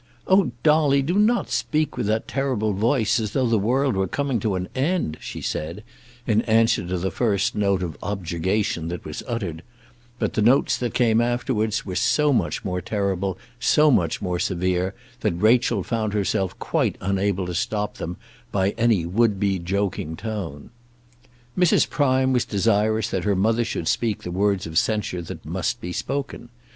"Oh, Dolly, do not speak with that terrible voice, as though the world were coming to an end," she said, in answer to the first note of objurgation that was uttered; but the notes that came afterwards were so much more terrible, so much more severe, that Rachel found herself quite unable to stop them by any would be joking tone. Mrs. Prime was desirous that her mother should speak the words of censure that must be spoken.